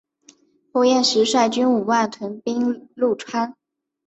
后燕时率军五万屯兵潞川。